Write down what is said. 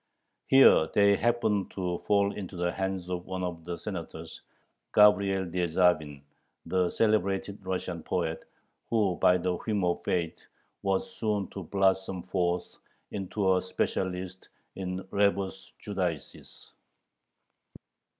Here they happened to fall into the hands of one of the Senators, Gabriel Dyerzhavin, the celebrated Russian poet, who by the whim of fate was soon to blossom forth into a "specialist" in rebus Judaicis.